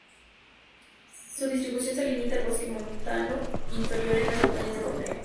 Su distribución se limita al bosque montano inferior en las montañas de Borneo.